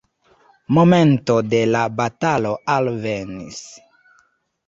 Momento de la batalo alvenis.